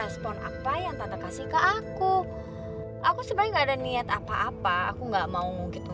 sudah aduh kalau begitu